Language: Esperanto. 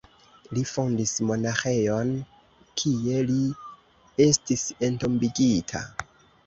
Li fondis monaĥejon, kie li estis entombigita.